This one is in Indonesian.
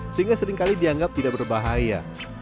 sehingga seringkali dianggap tidak berbahaya